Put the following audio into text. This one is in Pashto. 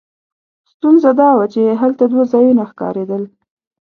ستونزه دا وه چې هلته دوه ځایونه ښکارېدل.